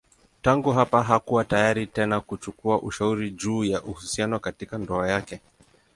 Tangu hapa hakuwa tayari tena kuchukua ushauri juu ya uhusiano katika ndoa yake.